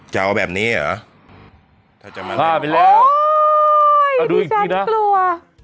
จะเอาแบบนี้เหรอถ้าจะมาฆ่าไปแล้วเอาดูอีกทีนะกลัว